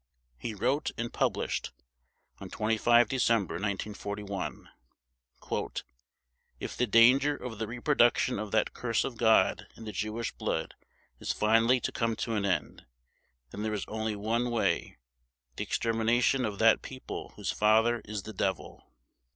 He wrote and published on 25 December 1941: "If the danger of the reproduction of that curse of God in the Jewish blood is finally to come to an end, then there is only one way—the extermination of that people whose father is the devil."